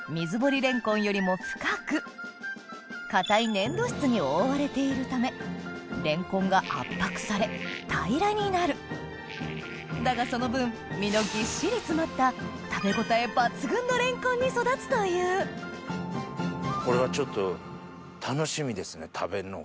レンコンよりも深く硬い粘土質に覆われているためだがその分のレンコンに育つというこれはちょっと楽しみですね食べるのが。